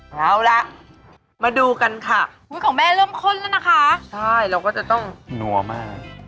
เอาละมาดูกันค่ะอุ้ยของแม่เริ่มข้นแล้วนะคะใช่เราก็จะต้องนัวมาก